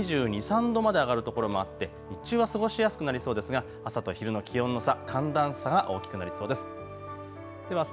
２２、２３度まで上がる所もあって、日中は過ごしやすくなりそうですが朝と昼の気温の差、寒暖差が大きくなりそうです。